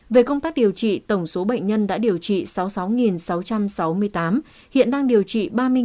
về công tác điều trị tổng số bệnh nhân đã điều trị sáu mươi sáu sáu trăm sáu mươi tám hiện đang điều trị ba mươi năm trăm năm mươi năm